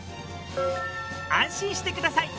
安心してください。